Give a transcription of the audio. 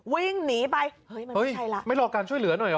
วิ่งหนีไปเฮ้ยมันไม่ใช่ละไม่รอการช่วยเหลือหน่อยหรอ